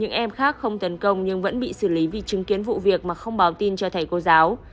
những em khác không tấn công nhưng vẫn bị xử lý vì chứng kiến vụ việc mà không báo tin cho thầy cô giáo